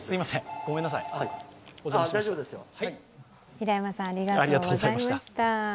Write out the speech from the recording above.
平山さん、ありがとうございました。